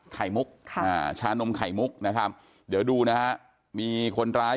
ไข่มุกค่ะอ่าชานมไข่มุกนะครับเดี๋ยวดูนะฮะมีคนร้าย